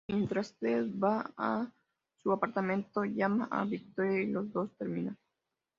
Mientras Ted va a su apartamento, llama a Victoria y los dos terminan.